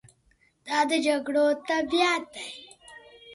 دا د جګړو طبیعت دی.